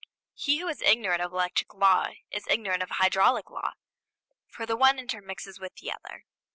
He who is ignorant of electric law is ignorant of hydraulic law; for the one intermixes with the other.